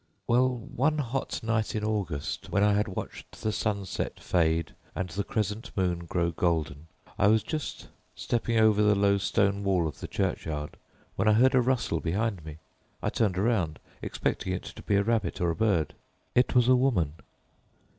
"Well, one hot night in August, when I had watched the sunset fade and the crescent moon grow golden, I was just stepping over the low stone wall of the churchyard when I heard a rustle behind me. I turned round, expecting it to be a rabbit or a bird. It was a woman."